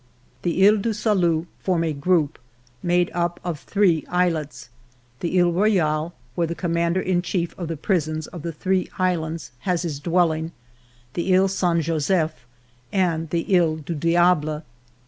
The lies du Salut form a group made up of three islets : the He Rovale, where the commander in chief of the prisons of the three islands has his dwelling, the He Saint Joseph, and the He du Diable.